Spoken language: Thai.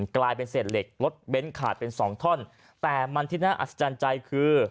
กลายเป็นเศษเหล็กรถเบ้นขาดเป็นสองท่อนแต่มันที่น่าอัศจรรย์ใจคือ